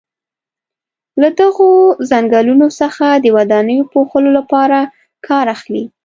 له دغو څنګلونو څخه د ودانیو پوښلو لپاره کار اخلي.